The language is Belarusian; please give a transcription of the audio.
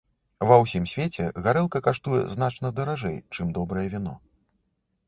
Ва ўсім свеце гарэлка каштуе значна даражэй, чым добрае віно.